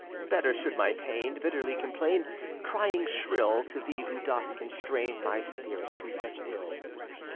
Better should my pain Bitterly complain, Crying shrill, To thee who dost constrain My spirit to such ill.